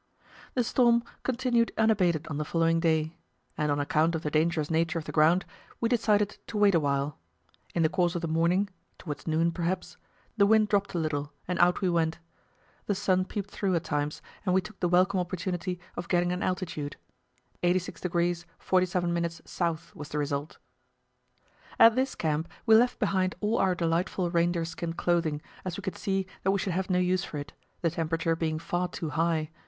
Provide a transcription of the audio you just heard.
The storm continued unabated on the following day, and on account of the dangerous nature of the ground we decided to wait awhile. In the course of the morning towards noon, perhaps the wind dropped a little, and out we went. The sun peeped through at times, and we took the welcome opportunity of getting an altitude 86° 47' S. was the result. At this camp we left behind all our delightful reindeer skin clothing, as we could see that we should have no use for it, the temperature being far too high.